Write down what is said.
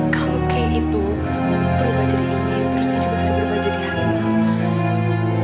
kalau kay itu berubah jadi inyek terus dia juga bisa berubah jadi harimau